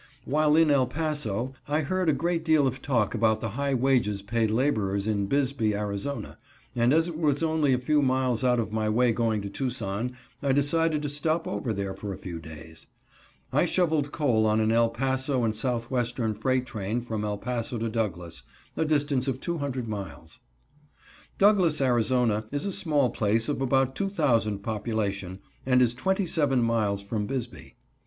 While in El Paso I heard a great deal of talk about the high wages paid laborers in Bisbee, Ariz., and as it was only a few miles out of my way going to Tucson, I decided to stop over there a few days. I shoveled coal on an El Paso and Southwestern freight train from El Paso to Douglas, a distance of 200 miles. Douglas, Ariz., is a small place of about two thousand population, and is twenty seven miles from Bisbee.